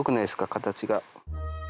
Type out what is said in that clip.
形が。